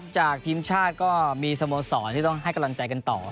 ทีมชาติก็มีสโมสรที่ต้องให้กำลังใจกันต่อ